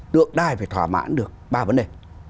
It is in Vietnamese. tượng đài phải thỏa mãn được ba vấn đề